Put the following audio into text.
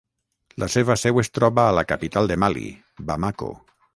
La seva seu es troba a la capital de Mali, Bamako.